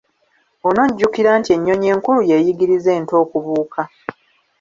Onojjukira nti ennyonyi enkulu yeeyigiriza ento okubuuka.